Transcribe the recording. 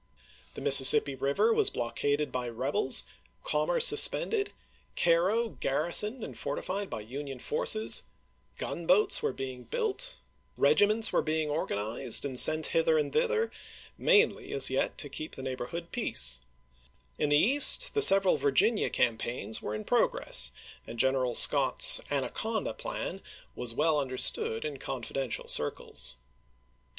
The Mississippi River was block aded by the rebels, commerce suspended, Caii'o garrisoned and fortified by Union forces, gun boats were being built, regiments were being organized Ibid., Jiily28,1861. W. R. Vol. III., p. 617. FREMONT 401 and sent Mther and thither, mainly as yet to keep ch. xxiii. the neighborhood peace. In the East the several Virginia campaigns were in progress, and General Scott's " anaconda " plan was well understood in confidential circles.